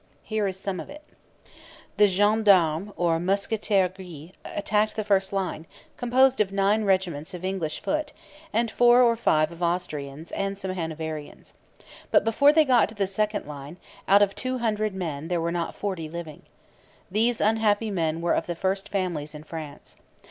Here is some of it: The Gens d'Armes, or Mousquetaires Gris, attacked the first line, composed of nine regiments of English foot, and four or five of Austrians, and some Hanoverians. But before they got to the second line, out of two hundred there were not forty living. These unhappy men were of the first families in France.